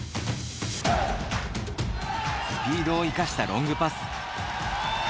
スピードを生かしたロングパス。